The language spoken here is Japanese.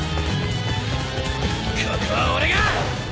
ここは俺が！